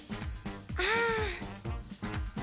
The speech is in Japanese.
ああ。